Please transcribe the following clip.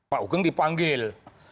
pak hugeng dipanggil